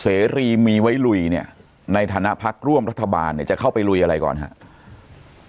เศรีย์มีไว้ลุยในฐานะพรรคร่วมรัฐบาลจะเข้าไปลุยอะไรก่อนครับ